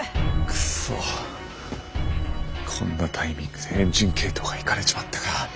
くそこんなタイミングでエンジン系統がイカれちまったか。